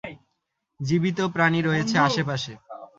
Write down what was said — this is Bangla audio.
জীবিত প্রাণী রয়েছে আশেপাশে।